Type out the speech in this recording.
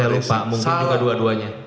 jangan lupa mungkin juga dua duanya